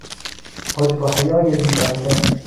حجب و حیای زیبنده